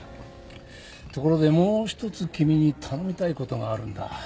ところでもう一つ君に頼みたい事があるんだ。